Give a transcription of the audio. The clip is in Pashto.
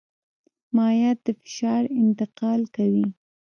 مایعات د فشار انتقال کوي.